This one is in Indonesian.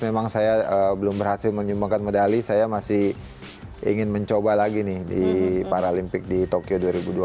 memang saya belum berhasil menyumbangkan medali saya masih ingin mencoba lagi nih di paralimpik di tokyo dua ribu dua puluh